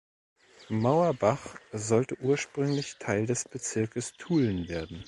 Mauerbach sollte ursprünglich Teil des Bezirks Tulln werden.